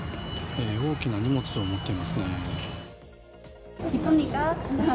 大きな荷物を持っています。